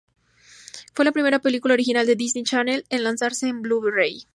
Fue la primera película original de Disney Channel en lanzarse en Blu-ray.